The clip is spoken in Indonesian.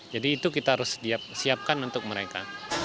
jadi itu kita harus siapkan untuk mereka